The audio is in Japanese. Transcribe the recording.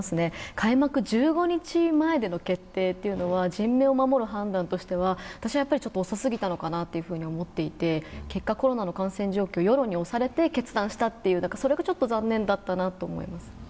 開幕１５日前での決定というのは、人命を守る判断としては私は遅過ぎたのかなと思っていて、結果、コロナの感染状況、世論に押されて決断したというそれがちょっと残念だったなと思います。